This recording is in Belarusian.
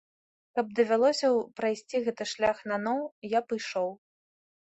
Каб давялося прайсці гэты шлях наноў, я б ішоў.